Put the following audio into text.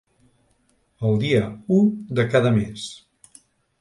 El dia u de cada mes.